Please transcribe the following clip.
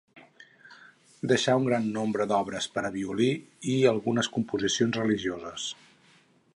Deixà un gran nombre d'obres per a violí i algunes composicions religioses.